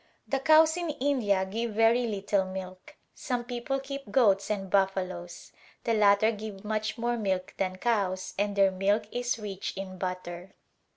The cows in India give very little milk ; some people keep goats and buffaloes ; the latter give much more milk than cows and their milk is rich in butter.